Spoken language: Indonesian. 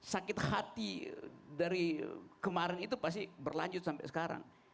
sakit hati dari kemarin itu pasti berlanjut sampai sekarang